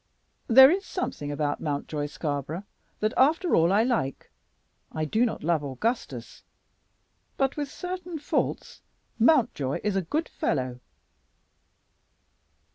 "There is something about Mountjoy Scarborough that, after all, I like. I do not love Augustus, but, with certain faults, Mountjoy is a good fellow."